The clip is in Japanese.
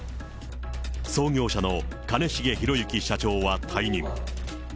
創業者の兼重宏行社長は退任。